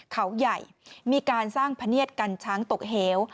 เขาใหญ่มีการสร้างพะเนียดกันช้างตกเหว